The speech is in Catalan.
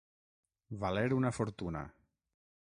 Valer una fortuna.